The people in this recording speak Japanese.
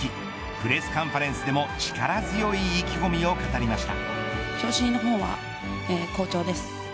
プレスカンファレンスでも力強い意気込みを語りました。